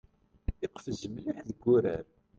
Iqfez mliḥ deg urar.